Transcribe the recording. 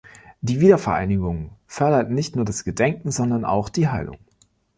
Die Wiedervereinigungen förderten nicht nur das Gedenken, sondern auch die Heilung.